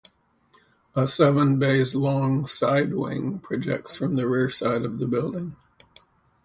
A seven bays long side wing projects from the rear side of the building.